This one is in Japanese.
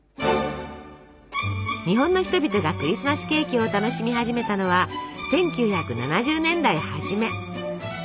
日本の人々がクリスマスケーキを楽しみ始めたのは１９７０年代はじめ。